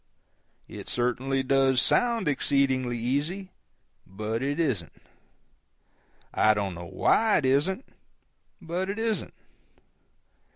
It certainly does sound exceedingly easy; but it isn't. I don't know why it isn't but it isn't.